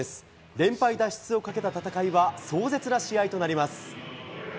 連敗脱出をかけた戦いは、壮絶な試合となります。